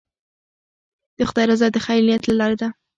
د خدای رضا د خیر نیت له لارې ده.